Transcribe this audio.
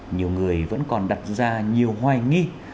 nhiều người vẫn còn đặt ra nhiều hoài nghi